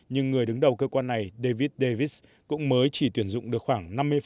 nhưng người đứng đầu cơ quan này david davis cũng mới chỉ tuyển dụng được khoảng